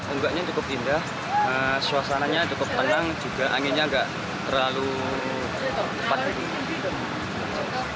ombaknya cukup indah suasananya cukup tenang juga anginnya nggak terlalu cepat gitu